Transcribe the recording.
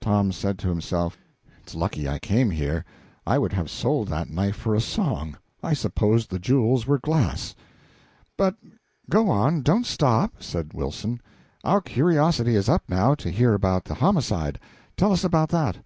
Tom said to himself "It's lucky I came here. I would have sold that knife for a song; I supposed the jewels were glass." "But go on; don't stop," said Wilson. "Our curiosity is up now, to hear about the homicide. Tell us about that."